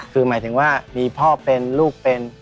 คือหมายถึงว่ามีพ่อเป็นลูกเป็น